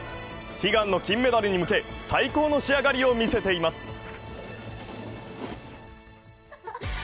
悲願の金メダルに向け、最高の仕上がりを見せています。